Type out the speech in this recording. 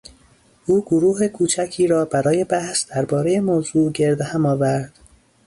او گروه کوچکی را برای بحث دربارهی موضوع گرد هم آورد.